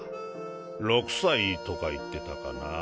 ６歳とか言ってたかなァ。